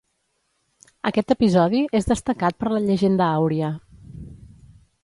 Aquest episodi és destacat per la Llegenda àuria.